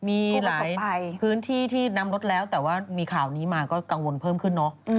มีหลายพื้นที่ที่นำรถแล้วแต่ว่ามีข่าวนี้มาก็กังวลเพิ่มขึ้นเนอะ